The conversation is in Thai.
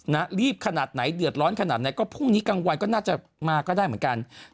รีบขนาดไหนเดือดร้อนขนาดไหนก็พรุ่งนี้กลางวันก็น่าจะมาก็ได้เหมือนกัน